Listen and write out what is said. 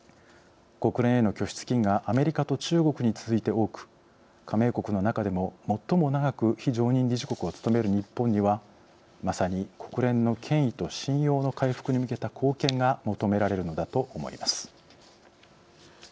国連への拠出金がアメリカと中国に続いて多く加盟国の中でも最も長く非常任理事国を務める日本にはまさに国連の権威と信用の回復に向けた貢献が求められるのだと思います。